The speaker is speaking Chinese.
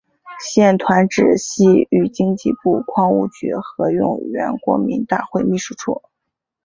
现团址系与经济部矿务局合用原国民大会秘书处。